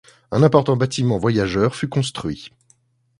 Un important bâtiment voyageurs fut construit.